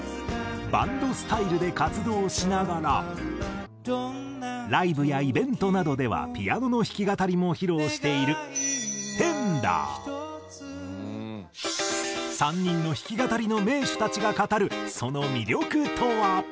バンドスタイルで活動しながらライブやイベントなどではピアノの弾き語りも披露している３人の弾き語りの名手たちが語るその魅力とは？